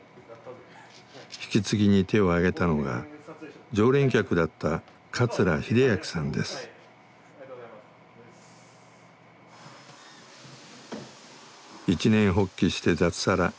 引き継ぎに手を挙げたのが常連客だった一念発起して脱サラ。